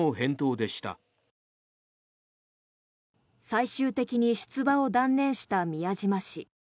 最終的に出馬を断念した宮島氏。